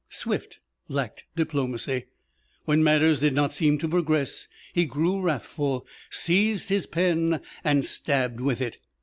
Swift lacked diplomacy. When matters did not seem to progress he grew wrathful, seized his pen and stabbed with it.